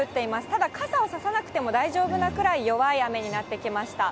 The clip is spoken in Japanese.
ただ、傘を差さなくても大丈夫なくらい弱い雨になってきました。